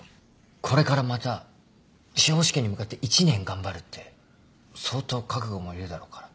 これからまた司法試験に向けて一年頑張るって相当覚悟もいるだろうから。